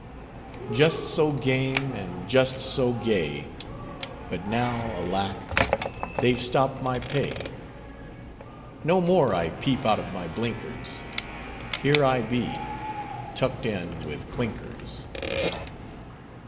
Just so game, and just so gay, But now, alack, they've stopped my pay. No more I peep out of my blinkers, Here I be—tucked in with clinkers!"